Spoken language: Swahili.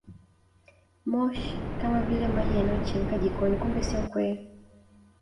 Moshi kama vile maji yanayochemka jikoni kumbe sio kweli